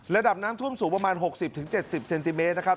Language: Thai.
ระดับน้ำท่วมสูงประมาณ๖๐๗๐เซนติเมตรนะครับ